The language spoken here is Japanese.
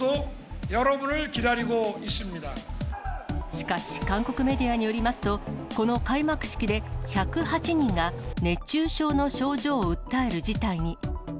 しかし、韓国メディアによりますと、この開幕式で１０８人が熱中症の症状を訴える事態に。